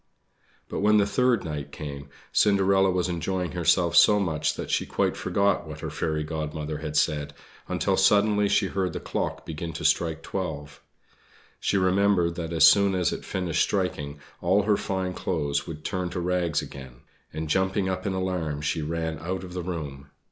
But when the third night came Cinderella was enjoying herself so much that she quite forgot what her Fairy Godmother had said, until suddenly she heard the clock begin to strike twelve. She remembered that as soon as it finished striking, all her fine clothes would turn to rags again; and, jumping up in alarm, she ran out of the room.